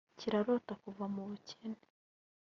kirarota kuva mu bukene